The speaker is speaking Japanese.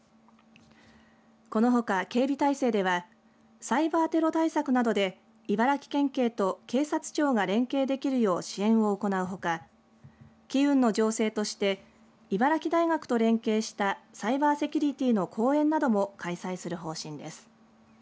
このほか警備態勢ではサイバーテロ対策などで茨城県警と警察庁が連携できるよう支援を行うほか機運の醸成として茨城大学と連携したサイバーセキュリティーの講演なども開催する方針です。